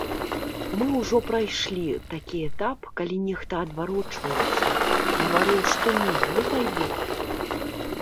Мы ўжо прайшлі такі этап, калі нехта адварочваўся, гаварыў, што не, не пайду.